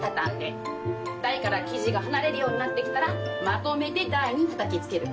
台から生地が離れるようになってきたらまとめて台にたたきつける。